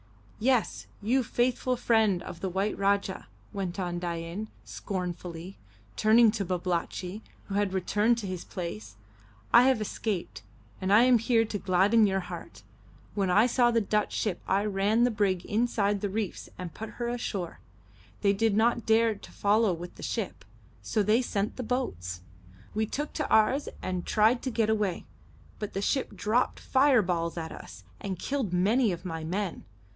"Yes, you faithful friend of the white Rajah," went on Dain, scornfully, turning to Babalatchi, who had returned to his place, "I have escaped, and I am here to gladden your heart. When I saw the Dutch ship I ran the brig inside the reefs and put her ashore. They did not dare to follow with the ship, so they sent the boats. We took to ours and tried to get away, but the ship dropped fireballs at us, and killed many of my men.